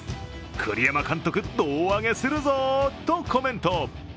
栗山監督胴上げするぞぉーとコメント。